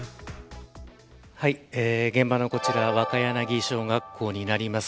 現場のこちら若柳小学校になります。